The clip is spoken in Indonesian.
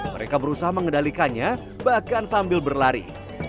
mereka berusaha mengendalikannya bahkan sambil berlari